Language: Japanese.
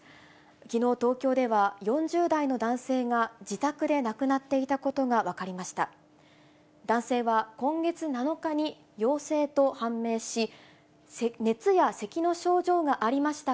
きのう、東京では４０代の男性が、自宅で亡くなっていたことが分かりました。